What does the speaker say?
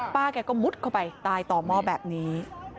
แกก็มุดเข้าไปตายต่อหม้อแบบนี้